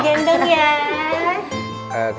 ini digendong ya